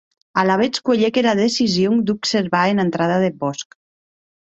Alavetz cuelhec era decision d’observar ena entrada deth bòsc.